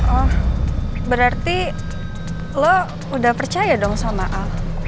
oh berarti lo udah percaya dong sama aku